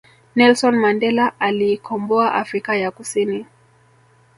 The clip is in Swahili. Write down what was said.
Nelson Mandela aliikomboa afrika ya kusini